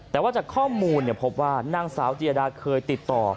แต่ว่าจากข้อมูลพบว่านางสาวเจียดาเคยติดต่อ